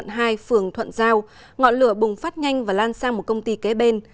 bình thuận hai phường thuận giao ngọn lửa bùng phát nhanh và lan sang một công ty kế bên